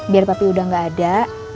biar papi udah gak ada